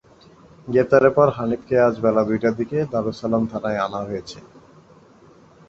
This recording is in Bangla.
গ্রেপ্তারের পর হানিফকে আজ বেলা দুইটার দিকে দারুস সালাম থানায় আনা হয়েছে।